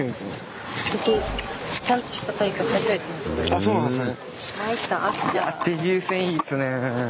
あそうなんですね。